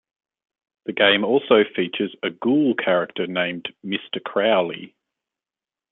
The game also features a ghoul character named "Mister Crowley".